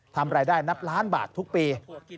ทำรายได้นับล้านบาททุกปี